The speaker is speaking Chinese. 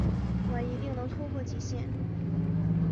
我们一定能突破极限